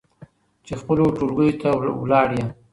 چې خپلو ټولګيو ته ولاړې